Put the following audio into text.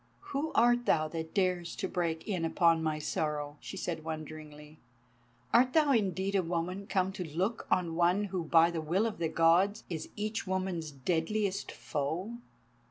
"Who art thou that dares to break in upon my sorrow?" she said wonderingly. "Art thou indeed a woman come to look on one who by the will of the Gods is each woman's deadliest foe?"